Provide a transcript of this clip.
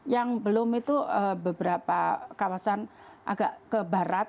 yang belum itu beberapa kawasan agak ke barat